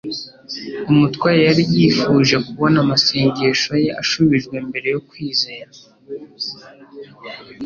Umutware yari yifuje kubona amasengesho ye ashubijwe mbere yo kwizera;